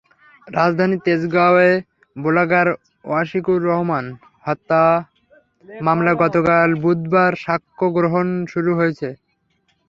রাজধানীর তেজগাঁওয়ে ব্লগার ওয়াশিকুর রহমান হত্যা মামলায় গতকাল বুধবার সাক্ষ্য গ্রহণ শুরু হয়েছে।